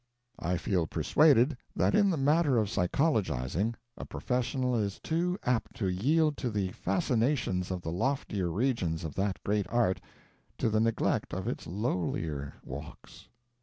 I feel persuaded that in the matter of psychologizing, a professional is too apt to yield to the fascinations of the loftier regions of that great art, to the neglect of its lowlier walks.